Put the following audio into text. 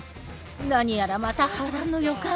何やらまた波乱の予感。